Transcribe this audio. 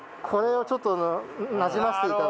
これをちょっとなじませて。